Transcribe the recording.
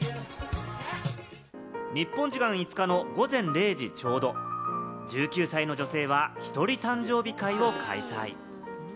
日本時間５日の午前０時ちょうど、１９歳の女性はひとり誕生日会を開催。